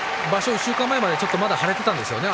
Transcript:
１週間前までまだ腫れていたんですよね